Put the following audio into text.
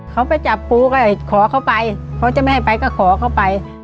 เขาไปจับปูก็จะขอเขาไปเพราะจะไม่ให้ไปก็ขอก็ไป